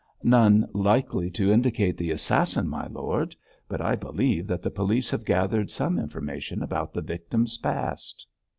'None likely to indicate the assassin, my lord. But I believe that the police have gathered some information about the victim's past.'